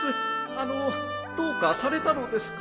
あのどうかされたのですか？